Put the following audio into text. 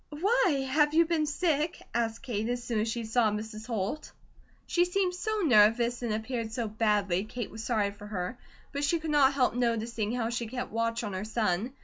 "Why, have you been sick?" asked Kate as soon as she saw Mrs. Holt. She seemed so nervous and appeared so badly Kate was sorry for her; but she could not help noticing how she kept watch on her son.